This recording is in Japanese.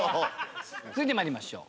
続いて参りましょう。